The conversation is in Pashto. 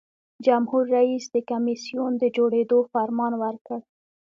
جمهور رئیس د کمیسیون د جوړیدو فرمان ورکړ.